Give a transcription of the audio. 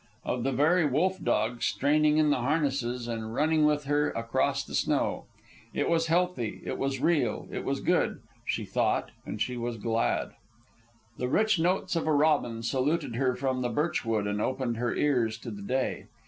Of the very wolf dogs straining in the harnesses and running with her across the snow? It was healthy, it was real, it was good, she thought, and she was glad. The rich notes of a robin saluted her from the birch wood, and opened her ears to the day.